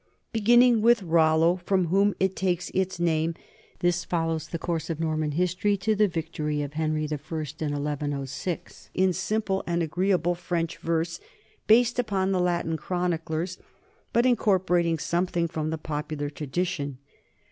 Beginning with Rollo, from whom it takes its name, this follows the course of Norman history to the victory of Henry I in 1106, in simple and agreeable French verse based upon the Latin chroniclers but incorporating something from popular tradition.